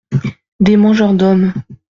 Des mangeurs d’hommes.